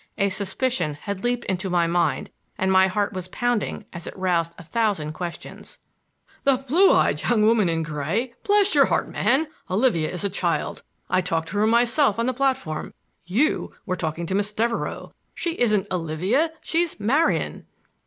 A suspicion had leaped into my mind, and my heart was pounding as it roused a thousand questions. "The blue eyed young woman in gray? Bless your heart, man, Olivia is a child; I talked to her myself on the platform. You were talking to Miss Devereux. She isn't Olivia, she's Marian!"